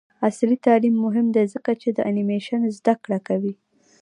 عصري تعلیم مهم دی ځکه چې د انیمیشن زدکړه کوي.